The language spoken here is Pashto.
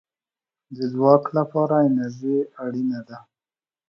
د ځواک لپاره انرژي اړین ده